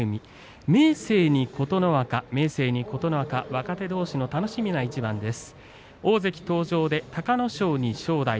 明生に琴ノ若、若手どうしの楽しみな一番です。